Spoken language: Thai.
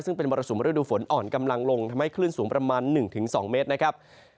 ซึ่งเป็นมรสุมฤดูฝนอ่อนกำลังลงทำให้คลื่นสูงประมาณ๑๒เมตรนะครับ